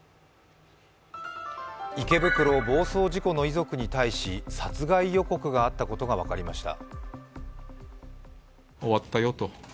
池袋暴走事故の遺族に対し、殺害予告があったことが分かりました。